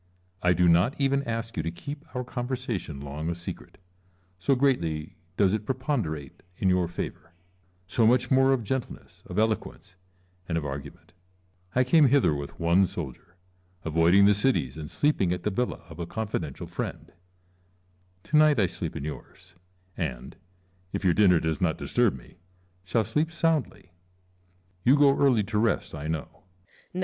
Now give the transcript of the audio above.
I do not even ask you to keep our conversation long a secret, so greatly does it preponderate in your favour ; so much more of gentleness, of eloquence, and of argument. I came hither with one soldier, avoiding the cities, and sleeping at the villa of a confidential friend.